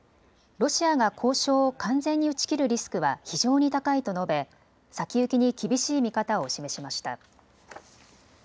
ロシアが交渉を完全に打ち切るリスクは非常に高いと述べ先行きに厳しい見方を示しました。